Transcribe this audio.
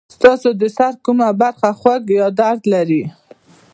ستاسو د سر کومه برخه خوږ یا درد لري؟